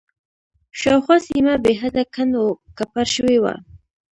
شاوخوا سیمه بېحده کنډ و کپر شوې وه.